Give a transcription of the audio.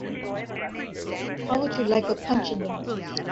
How would you like a punch in the nose?